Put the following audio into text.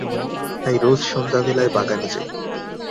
তাই রোজ সন্ধ্যাবেলায় বাগানে যাই।